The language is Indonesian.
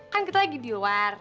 kan kita lagi di luar